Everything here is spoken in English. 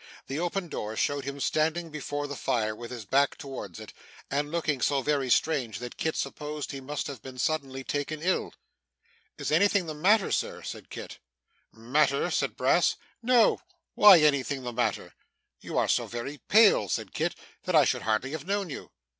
The open door showed him standing before the fire with his back towards it, and looking so very strange that Kit supposed he must have been suddenly taken ill. 'Is anything the matter, sir?' said Kit. 'Matter!' cried Brass. 'No. Why anything the matter?' 'You are so very pale,' said Kit, 'that I should hardly have known you.